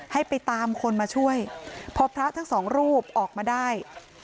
ให้ไปตามคนมาช่วยพอพระทั้งสองรูปออกมาได้